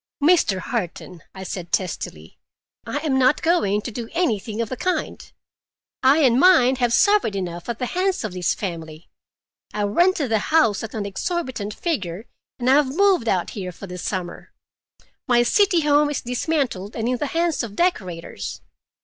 '" "Mr. Harton," I said testily, "I am not going to do anything of the kind. I and mine have suffered enough at the hands of this family. I rented the house at an exorbitant figure and I have moved out here for the summer. My city home is dismantled and in the hands of decorators.